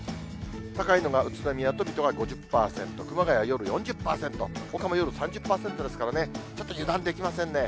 高いのが宇都宮と水戸が５０％、熊谷、夜４０％、ほかも夜３０％ですからね、ちょっと油断できませんね。